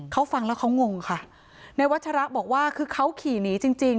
เขาฟังแล้วเขางงค่ะในวัชระบอกว่าคือเขาขี่หนีจริงจริง